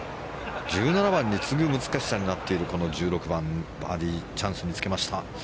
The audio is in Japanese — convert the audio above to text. １７番に次ぐ難しさになっているこの１６番、バーディーのチャンスにつけました。